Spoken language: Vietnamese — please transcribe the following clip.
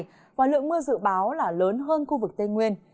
ngoài lượng mưa dự báo là lớn hơn khu vực tây nguyên